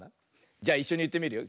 じゃいっしょにいってみるよ。